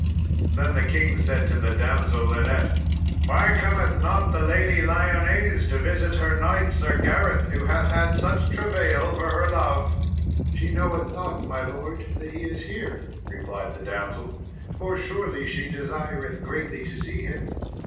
Then said the king to the damsel Linet, "Why cometh not the Lady Lyones to visit her knight, Sir Gareth, who hath had such travail for her love?" "She knoweth not, my lord, that he is here," replied the damsel, "for truly she desireth greatly to see him."